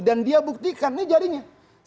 dan dia buktikan ini jadinya